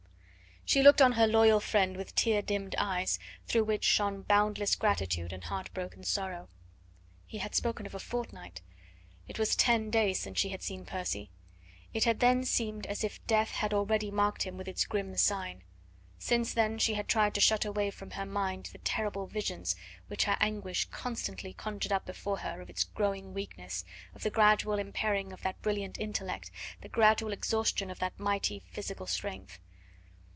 She looked on her loyal friend with tear dimmed eyes through which shone boundless gratitude and heart broken sorrow. He had spoken of a fortnight! It was ten days since she had seen Percy. It had then seemed as if death had already marked him with its grim sign. Since then she had tried to shut away from her mind the terrible visions which her anguish constantly conjured up before her of his growing weakness, of the gradual impairing of that brilliant intellect, the gradual exhaustion of that mighty physical strength.